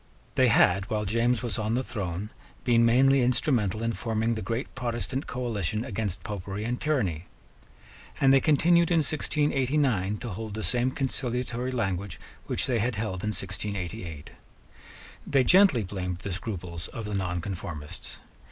They had, while James was on the throne, been mainly instrumental in forming the great Protestant coalition against Popery and tyranny; and they continued in 1689 to hold the same conciliatory language which they had held in 1688. They gently blamed the scruples of the nonconformists.